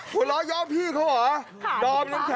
หัวร้อนยอมพี่เขาเหรอ